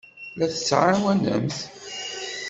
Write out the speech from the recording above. La t-tettɛawanemt?